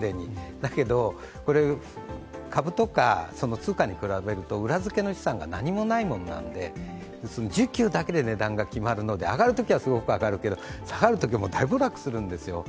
だけど株とか通貨に比べると裏づけの資産が何もないものなので、受給だけで値段が上がるので上がるときはすごく上がるけれども、下がるときは大暴落するんですね。